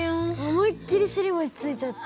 思いっきり尻餅ついちゃって。